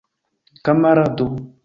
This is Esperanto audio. kamarado